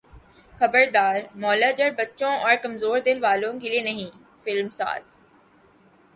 خبردار مولا جٹ بچوں اور کمزور دل والوں کے لیے نہیں فلم ساز